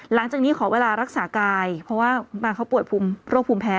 หลังจากนี้ขอเวลารักษากายเพราะว่ามาเขาป่วยโรคภูมิแพ้